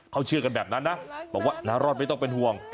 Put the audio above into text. เขาเชื่อกันแบบนั้นนะบอกว่านารอดไม่ต้องเป็นห่วง